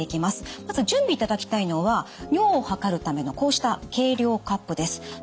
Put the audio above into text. まず準備いただきたいのは尿を量るためのこうした計量カップです。